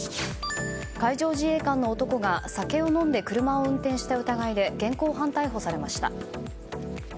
海上自衛官の男が酒を飲んで車を運転した疑いで現行犯逮捕されました。